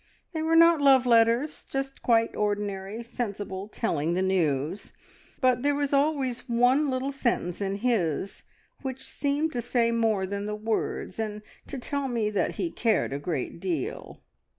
They were not love letters; just quite ordinary, sensible, telling the news, but there was always one little sentence in his which seemed to say more than the words, and to tell me that he cared a great deal.